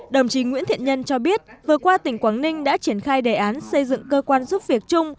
đồng chí nguyễn thiện nhân cho biết vừa qua tỉnh quảng ninh đã triển khai đề án xây dựng cơ quan giúp việc chung